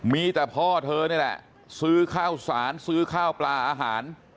มีแต่พ่อเธอนี่แหละซื้อข้าวสารซื้อข้าวปลาอาหาร